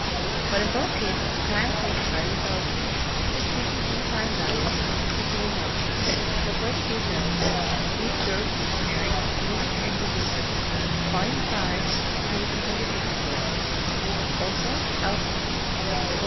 But in both cases the time taken by the embellishment is taken from the time value of the principal note. For further details see Grove's Dictionary of Music and Musicians, Vol. V, p. 184. Also Elson, op.